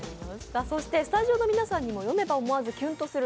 スタジオの皆さんにも「読めば思わずキュンとなる！